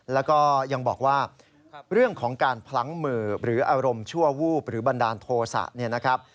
แล้วก็ยังบอกว่าเรื่องของการพลั้งมือหรืออารมณ์ชั่ววูบหรือบันดาลโทษะเนี่ยนะครับ